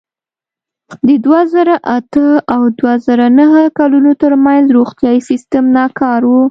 د دوه زره اته او دوه زره نهه کلونو ترمنځ روغتیايي سیستم ناکار و.